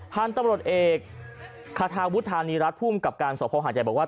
ท่านตำรวจเอกคทวทานีรัฐภูมิกับการศพพงษ์หาใจบอกว่า